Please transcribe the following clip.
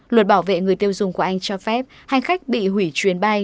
luật bảo vệ người tiêu dùng của anh cho phép hành khách bị hủy chuyến bay